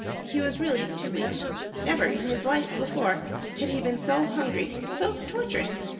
He was really too weak. Never in his life before had he been so hungry, so tortured.